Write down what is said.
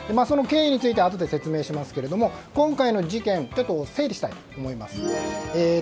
その経緯についてはあとで説明しますけど今回の事件整理したいと思います。